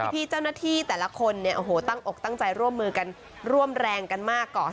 พี่เจ้าหน้าที่แต่ละคนเนี่ยโอ้โหตั้งอกตั้งใจร่วมมือกันร่วมแรงกันมากกว่า